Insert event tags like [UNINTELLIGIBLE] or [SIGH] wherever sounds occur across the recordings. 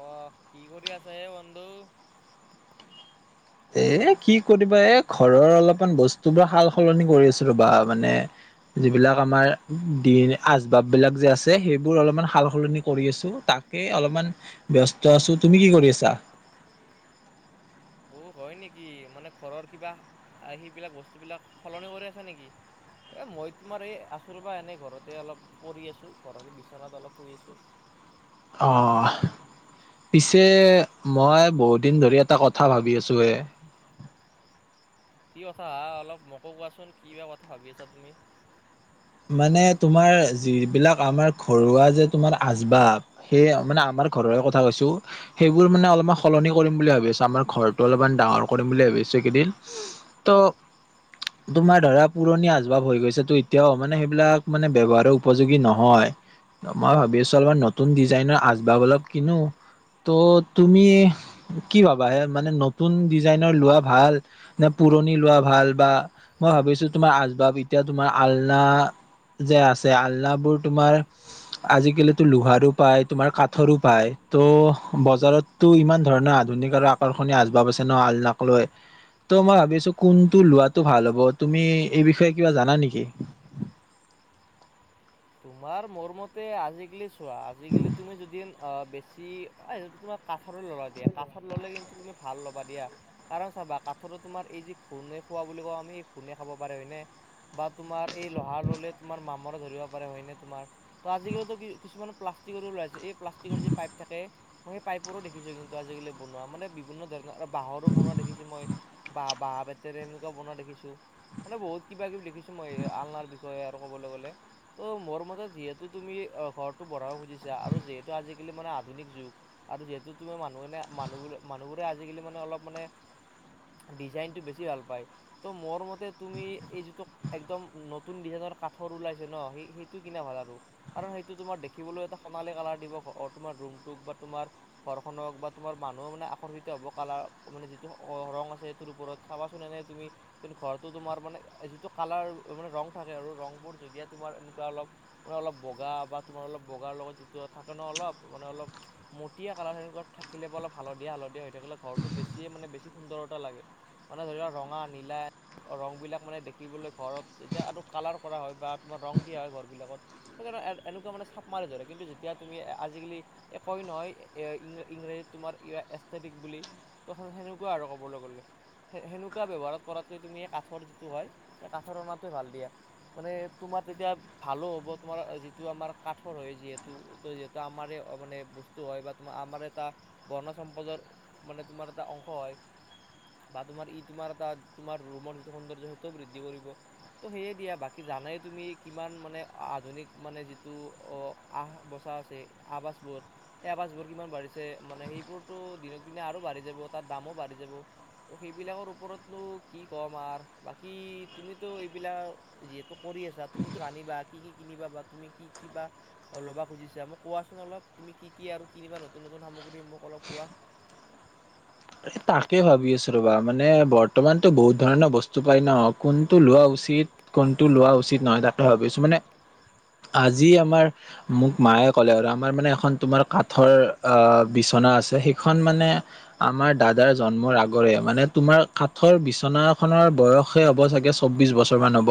অ কি কৰি আছ হে বন্ধু। এ কি কৰিবা এ ঘৰৰ অলপমান বস্তুবোৰ সাল সলনি কৰি আছো ৰবা মানে যিবিলাক আমাৰ দিন আচবাব বিলাক যে আছে সেইবোৰ অলপমান সাল সলনি কৰি আছো তাক কে অলপমান ব্যস্ত আছো তুমি কি কৰি আছা। ঔ হয় নেকি মানে ঘৰৰ কিবা আ সেইবিলাক বস্তু বিলাক সলনি কৰি আছা নেকি? এ মই তোমাৰ এই আছো ৰ বা এনেই ঘৰতে অলপ পৰি আছো ঘৰতে বিচনাত অলপ পৰি আছো। আহ। পিছে মই বহুত দিন ধৰি এটা কথা ভাবি আছো এ [UNINTELLIGIBLE] কি কথা হা অলপ মোকো কোৱাচোন কিবা কথা ভাবি আছা তুমি। মানে তোমাৰ যিবিলাক আমাৰ ঘৰুৱা যে তোমাৰ আচবাব সেই মানে আমাৰ আমাৰ ঘৰৰ কথা কৈছো সেইবোৰ মানে অলপমান সলনি কৰিম বুলি ভাবি আছোঁ আমাৰ ঘৰ অলপমান ডাঙৰ কৰিম বুলি ভাবিছোঁ। ত তোমাৰ ধৰা পুৰণি আচবাব হৈ গৈছে তো এতিয়াও। মানে সেইবিলাক মানে ব্যৱহাৰো উপযোগী নহয়। মই ভাবি আছো অলপমান নতুন ডিজাইনৰ আচবাব অলপ কিনো ত' তুমি কি ভাবা এ মানে নতুন ডিজাইনৰ লোৱা ভাল নে পুৰণি লোৱা ভাল বা মই ভাবিছোঁ তোমাৰ আচবাব এতিয়া তোমাৰ আলনা যে আছে আলনা বোৰ তোমাৰ আজিকালিতো লোহাৰো পায় তোমাৰ কাঠৰো পায় ত' বজাৰতটো ইমান ধৰণৰ ধুনীয়াকৈ আৰু আকৰ্ষণীয় আচবাবছে ন আলনাক লৈ ত' মই ভাবিছো কোনটো লোৱাটো ভাল হব তুমি এই বিষয়ে কিবা জানা নেকি তোমাৰ মোৰমতে আজিকালি চোৱা আজিকালি তুমি যদি বেছি তোমাক কাঠৰে ল'লাই দিয়ে কাঠৰ ল'লে কিন্তু তুমি ভাল ল'বা দিয়া কাৰণ চাবা কাঠৰ তোমাৰ এই যি ঘূৰ্ণে খোৱা বুলি কওঁ আমি এই ঘূৰ্ণে খাব পাৰে হয়নে বা তোমাৰ এই লোহা ললে তোমাৰ মামৰ ধৰিব হয়নে তোমাৰ ত আজিকালিতো কিছুমান প্লাষ্টিকৰো ওলাই আছে এই প্লাষ্টিকৰ যি পাইপ থাকে মই সেই পাইপৰো দেখিছো কিন্তু আজিকালি বনোৱা মানে বিভিন্ন ধৰণৰ আৰু বাঁহৰো বনোৱা দেখিছো মই বাঁহ বাঁহ বেতেৰে এনেকুৱা বনোৱা দেখিছোঁ মানে বহুত কিবা কিবি দেখিছো মই আলনাৰ বিষয়ে আৰু ক'বলৈ গ'লে ত' মোৰ মতে যিহেতু তুমি ঘৰটো বনাব খুজিছা আৰু যিহেতু আজিকালি মানে আধুনিক যুগ আৰু যিহেতু তুমি মানুহবোৰে মানুহ মানুহবোৰে আজিকালি মানে অলপ মানে ডিজাইনটো বেছি ভাল পায় ত' মোৰ মতে তুমি এই যিটো একদম নতুন ডিজাইনৰ কাঠৰ ওলাইছে ন সি সেইটো কিনা ভাল আৰু কাৰণ সেইটো তোমাৰ দেখিবলৈ এটা সোণালী কালাৰ দিব তোমাৰ ৰুমটোক বা তোমাৰ ঘৰখননক বা তোমাৰ মানুহকো মানে আকৰ্ষিত হ'ব কালাৰ মানে যিটো ৰং আছে সেইটোৰ ওপৰত চাবা তুমি কিন্তু ঘৰটো তোমাৰ মানে যিটো কালাৰ মানে ৰং থাকে আৰু ৰং বোৰ যদিহে তোমাৰ অলপ বগা বা তোমাৰ অ বগাৰ লগত যিটো থাকে অলপ মানে অলপ কালাৰ থাকিলে অলপ হালধীয়া হালধীয়া হৈ থাকে ঘৰটো বেছিয়ে মানে বেছি সুন্দৰতা লাগে মানে ধৰি লওক ৰঙা নীলা ৰং বিলাক মানে দেখিবলৈ ঘৰত যেতিয়া আৰু কালাৰ কৰা হয় বা তোমাৰ ৰং কি হয় ঘৰবিলাকত সেইকাৰণে এনেকুৱা মানে চাপ মাৰি ধৰে কিন্তু যেতিয়া তুমি আজি কালি কয় নহয় ইংৰাজীত তোমাৰ ই এষ্টেটিক বুলি ত সেনেকুৱা আৰু ক'বলৈ গ'লে সেনেকুৱা ব্যৱহাৰ কৰাতকে তুমি এই কাঠৰ যিটো হয় সেই কাঠৰ অনাটোৱে ভাল দিয়া মানে তোমাৰ তেতিয়া ভালো হ'ব তোমাৰ যিটো আমাৰ কাঠৰ হয় যিহেতু ত যিহেতু আমাৰ মানে বস্তু হয় বা আমাৰ এটা বনজ সম্পদৰ মানে তোমাৰ এটা অংশ হয় বা তোমাৰ ই তোমাৰ এ তোমাৰ ৰুমৰ যিটো সৌন্দৰ্য সেইটোও বৃদ্ধি কৰিব ত সেয়ে দিয়া বাকী জানাই তুমি কিমান মানে আধুনিক মানে যিটো আহ বচা আছে আৱাসবোৰত পাচবোৰ কিমান বাঢ়িছে মানে সেইবোৰতো দিনক দিনে আৰু বাঢ়ি যাব তাত দামো বাঢ়ি যাব ত' সেইবিলাকৰ ওপৰতনো কি ক'ম আৰু বাকী তুমিতো এইবিলাক যিহেতু কৰি আছা তুমিতো আনিবা কি কি কিনিবা বা তুমি কি কি বা ল'ব খুজিছা মই কোৱাচোন অলপ তুমি কি কি আৰু কিবা নতুন নতুন সামগ্ৰী মোক অলপ কোৱা [UNINTELLIGIBLE] এ তাকে ভাবি আছো ৰবা মানে বৰ্তমানতো বহুত ধৰণৰ বস্তু পাই ন কোনটো লোৱা উচিত কোনটো লোৱা উচিত নহয় তাকে ভাবিছো মানে আজি আমাৰ মোক মায়ে ক'লে আৰু আমাৰ মানে এখন তোমাৰ কাঠৰ অ বিচনা আনা আছে, সেই খন মানে আমাৰ দাদাৰ জন্মৰ আগৰে মানে তোমাৰ কাঠৰ বিচনাখনৰ বয়সে হ'ব চাগে চৌবিশ বছৰ। মান হব,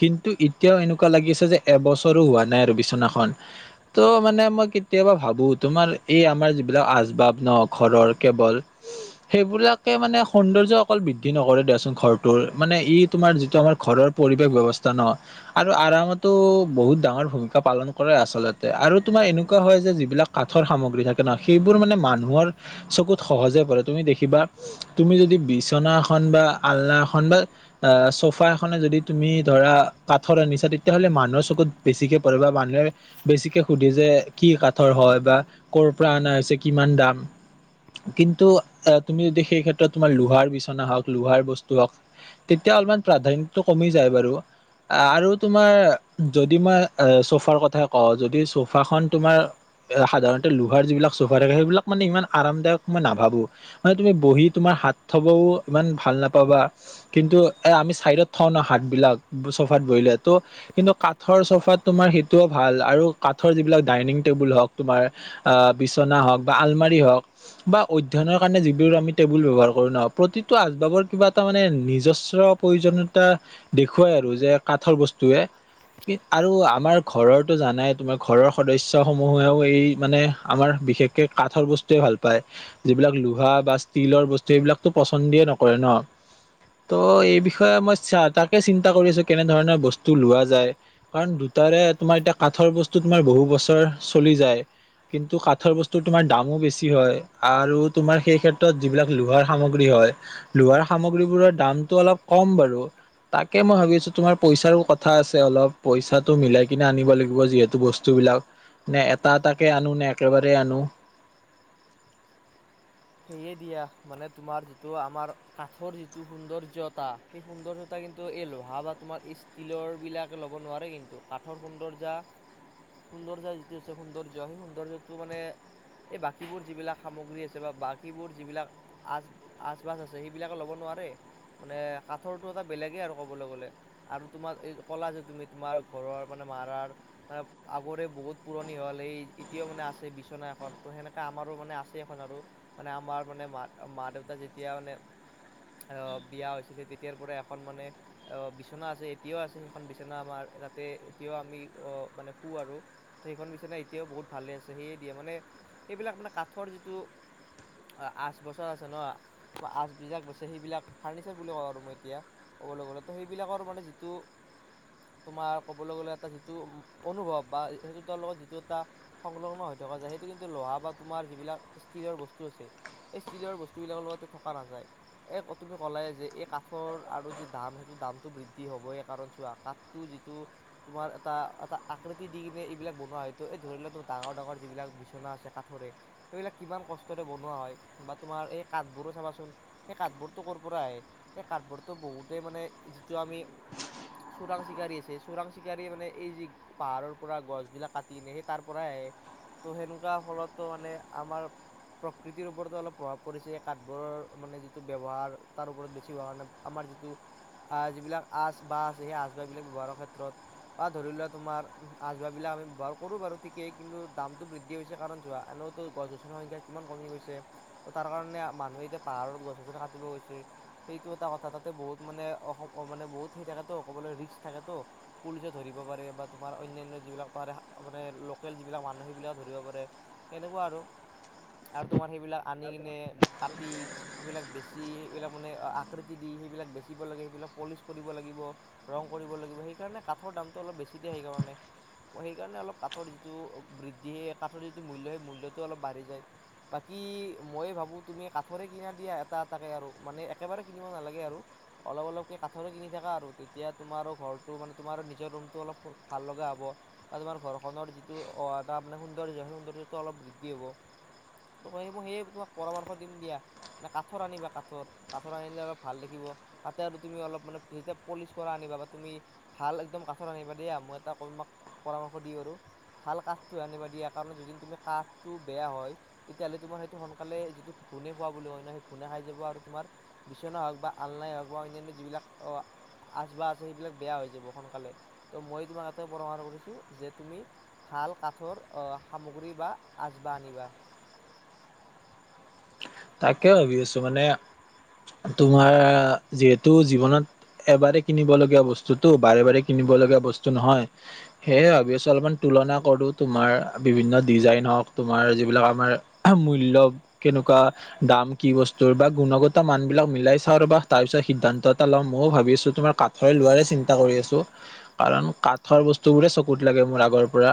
কিন্তু এতিয়াও এনেকুৱা লাগিছে যে এবছৰো হোৱা নাই আৰু বিনাখন ত' মানে মই কেতিয়াবা ভাবো তোমাৰ এই আমাৰ যিবিলাক আচবাব নহঁ ঘৰৰ কেৱল উম [UNINTELLIGIBLE] সেইবিলাকে মানে সৌন্দৰ্য অকল বৃদ্ধি নকৰে দিয়াচোন ঘৰটোৰ মানে ই তোমাৰ যিটো আমাৰ ঘৰৰ পৰিৱেশ ব্যৱস্থা ন আৰু আৰামতো বহুত ডাঙৰ ভূমিকা পালন কৰে আচলতে আৰু তোমাৰ এনেকুৱা হয় যে যিবিলাক কাঠৰ সামগ্ৰী থাকে নহঁ সেইবোৰ মানে মানুহৰ চকুত সহজে তুমি দেখিবা, তুমি যদি বিচনাএখন বা আলনাএখন বা চোফাএখন যদি তুমি ধৰা কাঠৰ আনিছা। তেতিয়াহ'লে, মানুহৰ চকুত বেছিকে পৰে বা মানুহে বেছিকে সুধে যে কি কাঠৰ হয় বা ক'ৰ পৰা অনা হৈছে কিমান দাম। কিন্তু অ'! তুমি যদি সেই ক্ষেত্ৰত তোমাৰ লোহাৰ বিচনা হওঁক, লোহাৰ বস্তু হওঁক। তেতিয়া অলপমান প্ৰাধান্য কমি যায় বাৰু। আৰু তোমাৰ যদি মই, চোফাৰ কথা কওঁ! যদি চোফাখন তোমাৰ সাধাৰণতে, লোহাৰ যিবিলাক চোফা থাকে। সেইবিলাক মানে, ইমান আৰামদায়ক মই নাভাবোঁ। মানে, তুমি বহি তোমাৰ হাত থবও ইমান ভাল নাপাবা। কিন্তু, এ, আমি চাইডত থওঁ হাঁত বিলাক, চোফাত বহিলে ত' কিন্তু, কাঠৰ চোফাত তোমাৰ সেই ত' ভাল আৰু কাঠৰ যিবিলাক ডাইনিং টেবুল হওঁক, তোমাৰ বিচনা হওঁক বা আলমাৰি হওঁক বা অধ্যয়নৰ কাৰণে, যিবোৰ আমি টেবুল ব্যৱহাৰ কৰোঁ ন'। প্ৰতিটো, আচবাবৰ কিবা এটা মানে, নিজস্ব প্ৰয়োজনীয় এটা দেখুৱাই আৰু যে কাঠৰ বস্তুয়ে। কি আৰু আমাৰ ঘৰৰটো জানাই তোমাৰ ঘৰৰ সদস্য সমূহেও এই মানে, আমাৰ বিশেষকে কাঠৰ বস্তুয়ে ভাল পায়। যিবিলাক, লোহা বা ষ্টীলৰ বস্তু এইবিলাকতো পচন্দিয়ে নকৰে ন'। ত' এই বিষয়ে মই চা, তাকে চিন্তা কৰিছোঁ, কেনেধৰণৰ বস্তু লোৱা যায়। কাৰণ তাৰে তোমাৰ, এতিয়া কাঠৰ বস্তু তোমাৰ বহু বছৰ চলি যায়। কিন্তু, কাঠৰ বস্তু তোমাৰ দামো বেছি হয়। আৰু তোমাৰ সেই ক্ষেত্ৰত যিবিলাক লোহাৰ সামগ্ৰী হয়। লোহাৰ সামগ্ৰীবোৰৰ দামটো অলপ কম। কম বাৰু। তাকে মই ভাবি আছোঁ! তোমাৰ পইচাৰো কথা আছে অলপ। পইচাটো মিলাই কিনে আনিব লাগিব যিহেতু বস্তু। এইবিলাক, এটা, এটাকে আনোঁ নে একেবাৰে আনোঁ। সেয়ে, দিয়া মানে, তোমাৰ যিটো আমাৰ কাঠৰ যিটো সৌন্দৰ্য্যতা, সেই সৌন্দৰ্য্যতা কিন্তু এই লোহাঁ বা তোমাৰ ষ্টীলৰ বিলাক ল'ব নোৱাৰে কিন্তু। কাঠৰ সৌন্দৰ্যা সৌন্দৰ্য্য যিটো আছে, সৌন্দৰ্য্য সেই সৌন্দৰ্য্যটো মানে এই বাকীবোৰ যিবিলাক সামগ্ৰী আছে বা যিবোৰ যিবিলাক আচ, আচবাব আছে, সেইবিলাকে ল'ব নোৱাৰে। মানে, কাঠৰটো এটা বেলেগে ক'বলৈ গ'লে আৰু তোমাৰ এই কলা যে তুমি তোমাৰ ঘৰৰ মানে, মাৰাৰ মানে, আগত বহুত পুৰণি হ'ল। এই এতিয়াও মানে, আছে বিচনা এখন। ত' সেনেকা আমাৰো মানে, আছে এখন আৰু। মানে, আমাৰ মানে, মা মা দেউতা যেতিয়া মানে আঁ বিয়া হৈছিলে। তেতিয়াৰ পৰা এখন মানে, অ'! বিচনা আছে, এতিয়াও আছে সেইখন বিচনা আমাৰ। যাতে, এতিয়াও আমি অ'! মানে, শু আৰু সেইখন বিচনা এতিয়াও বহুত ভাল হৈ আছে। সেয়ে, দিয়ে মানে সেইবিলাক মানে, কাঠৰ যিটো আঠ বছৰ আছে ন' আচবিলাক বাছে। সেইবিলাক, ফাৰ্নিচাৰ বুলি কওঁ আৰু মই এতিয়া। ক'বলৈ গ'লে তো সেইবিলাকৰ মানে, যিটো তোমাৰ ক'বলৈ গ'লে এটা যিটো অনুভৱ বা সেইটো তাৰ লগত যিটো এটা সংলগ্ন হয় থকা যায়। সেইটো কিন্তু, লোহা বা তোমাৰ যিবিলাক ষ্টীলৰ বস্তু বস্তু আছে। এ, ষ্টীলৰ বস্তুবিলাকৰ লগতে থকা নাযায়। এ, ক তুমি ক'লাই যে, এই কাঠৰ আৰু দাম সেইটো, দামটো বৃদ্ধি হ'বই। কাৰণ, চোৱা কাঠটো যিটো তোমাৰ এটা, এটা আকৃতি দি কিনে এইবিলাক বনোৱা হয়টো। এই ধৰি লোৱা ডাঙৰ, ডাঙৰ যিবিলাক বিচনা আছে কাঠৰে। সেইবিলাক কিমান কষ্ট বনোৱা হয় বা তোমাৰ এই কাঠবোৰো চাবাচোন সেই কাঠবোৰটো ক'ৰ পৰা আহে, সেই কাঠবোৰটো বহুতেই মানে, যিটো আমি চোৰাং চিকাৰী আছে। চোৰাং চিকাৰী মানে, এই যি পাহাৰৰ পৰা গছ বিলাক কাটি আনে সেই তাৰ পৰাই আহে। ত' সেনেকুৱা ফলতো মানে আমাৰ প্ৰকৃতিৰ ওপৰতো অলপ প্ৰভাৱ পৰিছে। এই কাঠবোৰৰ মানে, যিটো ব্যৱহাৰ তাৰ ওপৰত বেছি হোৱাৰ কাৰণে আমাৰ যিটো আঁ যিবিলাক আচবাব আছে। সেই আচবাব বিলাক ব্যৱহাৰৰ ক্ষেত্ৰত বা ধৰি লোৱা তোমাৰ আচবাব বিলাক আমি ব্যৱহাৰ কৰো বাৰু ঠিকেই। কিন্তু, দামটো বৃদ্ধি হৈছে কাৰণ যোৱা গছ -গছনি সংখ্যা কিমান কমি গৈছে। ত' তাৰ কাৰণে, মানুহে এতিয়া পাহাৰত গছ -গছনি কাটিব গৈছে। সেইটো এটা কথা তাত তাতে বহুত মানে অসম মানে বহুত সেই থাকেতো ক'বলৈ ৰিস্ক থাকেতো পুলিচে ধৰিব পাৰে বা তোমাৰ অন্যান্য যিবিলাক পাৰে মানে লোকেল যিবিলাক মানুহ সেইবিলাক ধৰিব পাৰে এনেকুৱা আৰু। [UNINTELLIGIBLE] আৰু তোমাৰ সেইবিলাক আনি কিনে পাত। তিফ সেইবিলাক বেচি সেইবিলাক মানে আকৃতি দি সেইবিলাক বেচিব লাগে সেইবিলাক পলিচ কৰিব লাগিব ৰং কৰিব লাগিব সেইকাৰণে কাঠৰ দামটো অলপ বেছি দিয়ে সেইকাৰণে। সেইকাৰণে অলপ কাঠৰ যিটো বৃদ্ধি কাঠৰ যিটো মূল্য সেই মূল্যটো অলপ বাঢ়ি যায়। বাকী মই ভাবো তুমি কাঠৰে কিনা দিয়া এটা এটাকে আৰু মানে একেবাৰে কিনিব নালাগে আৰু। অলপ অলপকে কাঠৰ কিনি থাকা আৰু তেতিয়া তোমাৰো ঘৰটো মে তোমাৰ নিজৰ ৰুমটো অলপ ভাল লগা। হ'ব আ তোমাৰ ঘৰখনৰ যিটো অ এটা মানে সৌন্দৰ্য্য সেই সৌন্দৰ্য টো অলপ বৃদ্ধি হ'ব ত ক মই সেইয়ে তোমাক পৰামৰ্শ দিম দিয়া নে কাঠৰ আনিবা কাঠৰ কাঠৰ আনিলে অলপ ভাল দেখিব তাতে আৰু তুমি অলপ মানে যেতিয়া পলিচ কৰা আনিবা বা তুমি ভাল একদম কাঠত আনিবা দিয়া মই এটা কৰিম। তোমাক পৰামৰ্শ দি আৰু ভাল কাঠটো আনিবা দিয়া কাৰণে যদি তুমি কাঠটো বেয়া হয় তেতিয়াহ'লে তোমাৰ সেইটো সোনকালে যিটো ঘুণে খোৱা বুলি হয় নয় সেই ঘুণে খাই যাব আৰু তোমাৰ বিচনা হওক বা। আলনাই হওক বা অন্যান্য যিবিলাক অ। আচবাহ আছে সেইবিলাক বেয়া হৈ যাব সোনকালে ত' মই তোমাক এতে পৰামৰ্শ কৰিছো যে তুমি ভাল কাঠৰ আহ সামগ্ৰী বা আচবাহ আনিবা। তাকে ভাবি আছো মানে তোমাৰ যিহেতু জীৱনত। এবাৰে কিনিব লগীয়া বস্তুটো বাৰে বাৰে কিনিব লগীয়া বস্তু নহয়, সেয়ে ভাবি আছো অলপমান তুলনা কৰোঁ তোমাৰ বিভিন্ন ডিজাইন হওক তোমাৰ যিবিলাক আমাৰ মূল্য কেনেকুৱা দাম কি বস্তুৰ বা গুণগত মান বিলাক মিলাই চাওঁ ৰবা তাৰ পিছত সিদ্ধান্ত এটা লওঁ ময়ো ভাবি আছো। তোমাৰ কাঠৰে লোৱায়ে চিন্তা কৰি আছো কাৰণ কাঠৰ বস্তু বোৰে চকুত লাগে মোৰ আগৰ পৰা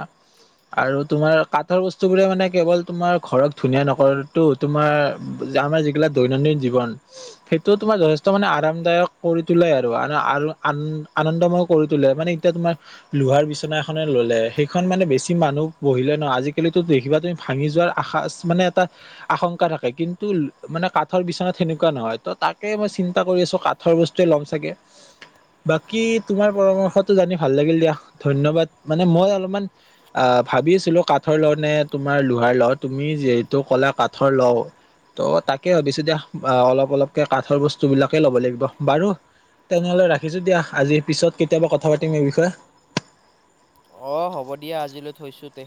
আৰু তোমাৰ কাঠৰ বস্তু বোৰে মানে কেৱল তোমাৰ ঘৰত ধুনীয়া নকৰৰেতো তোমাৰ আমাৰ যিবিলাক দৈনন্দিন জীৱন সেইটো তোমাৰ যথেষ্ট মানে আৰামদায়ক কৰি তোলে আৰু। আৰু আন আনন্দময় কৰি তোলে মানে এতিয়া তোমাৰ লোহাৰ বিচনা এখনে ললে সেইখন মানে বে বেছি মানুহ বহিলে নহয় আজিকালিতো দেখিবা তুমি ভাঙি যোৱাৰ আশা মানে এটা আশংকা থাকে কিন্তু মানে কাঠৰ বিচনা সেনেকুৱা নহয় ত' তাকে মই চিন্তা কৰি আছো কাঠৰ বস্তুৱে ল'ম চাগে। বাকী তোমাৰ পৰামৰ্শটো জানি ভাল লাগিল দিয়া ধন্যবাদ মানে মই অলপমান আহ। ভাবিছিলো কাঠৰ লওঁ নে তোমাৰ লোহাৰ লওঁ তুমি যিহেতু কলা কাঠৰ লওঁ। ত' তাকে ভাবিছো দিয়া অলপ অলপকে কাঠৰ বস্তু বিলাকে ল'ব লাগিব বাৰু। তেনেহ'লে ৰাখিছোঁ দিয়া আজি পিছত কেতিয়াবা কথা পাতিম এই বিষয়ে। অ হ'ব দিয়া আজিলৈ থৈছো দে।